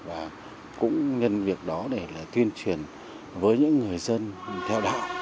và cũng nhân việc đó để là tuyên truyền với những người dân theo đạo